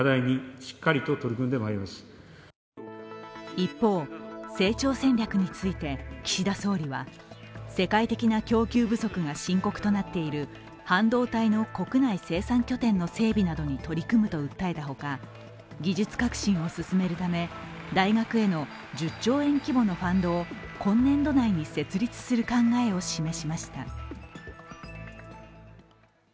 一方、成長戦略について岸田総理は世界的な供給不足が深刻となっている半導体の国内生産拠点の整備などに取り組むと訴えたほか、技術革新を進めるため大学への１０兆円規模のファンドを今年度内に設立する考えを示しました。